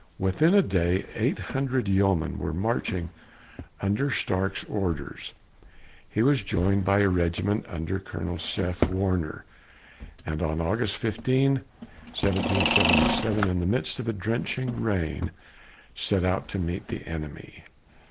Within a day, eight hundred yeomen were marching under Stark's orders. He was joined by a regiment under Colonel Seth Warner, and on August 15, 1777, in the midst of a drenching rain, set out to meet the enemy.